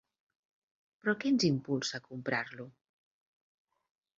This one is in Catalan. Però, què ens impulsa a comprar-lo?